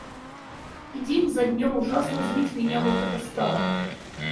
И день за днем ужасно злить меня вот это стало.